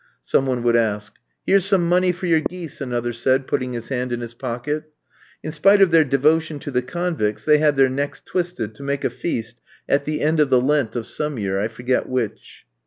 some one would ask. "Here's some money for your geese," another said, putting his hand in his pocket. In spite of their devotion to the convicts they had their necks twisted to make a feast at the end of the Lent of some year, I forget which.